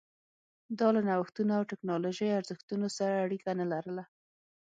دا له نوښتونو او ټکنالوژۍ ارزښتونو سره اړیکه نه لرله